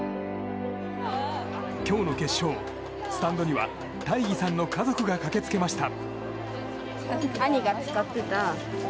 今日の決勝、スタンドには大義さんの家族が駆け付けました。